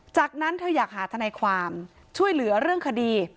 จากนั้นเธออยากหาทนายความช่วยเหลือเรื่องคดี